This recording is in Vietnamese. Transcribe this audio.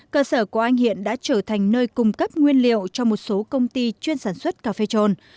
cơ sở của anh hiện đã trở thành nơi cung cấp nguyên liệu cho một số công ty chuyên sản xuất cà phê trồn